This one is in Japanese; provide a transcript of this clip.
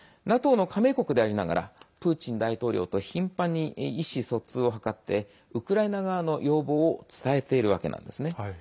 ＮＡＴＯの加盟国でありながらプーチン大統領と頻繁に意思疎通を図ってウクライナ側の要望を伝えているわけなんですね。